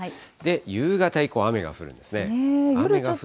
夕方以降、雨が降るんですね。